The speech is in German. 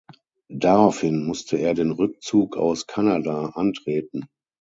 Daraufhin musste er den Rückzug aus Kanada antreten.